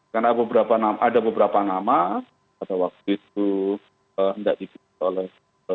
karena ada beberapa nama pada waktu itu tidak dipilih oleh